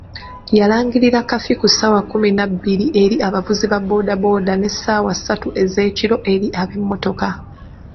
Yalangirira kafiyu ku ssaawa kkumi na bbiri eri abavuzi ba boodabooda ne ssaawa ssatu ezeekiro eri ab’emmotoka.